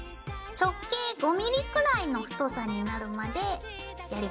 直径５ｍｍくらいの太さになるまでやります。